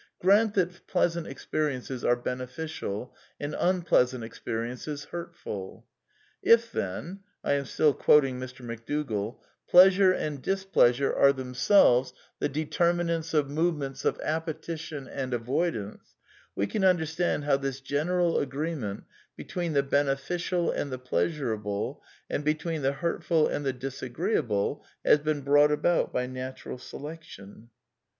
Grant that pleasant experiences are beneficial and unpleasant experiences hurtful. " If then " (I am still quoting Mr. McDougall) " pleasure and displeasure are themselves the determinants of movements of appetition and avoidance, we can imderstand how this gen eral agreement between the beneficial and the pleasurable and between the hurtful and the disagreeable has been brought about by natural selection.